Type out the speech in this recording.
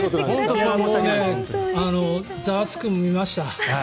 「ザワつく！」も見ました。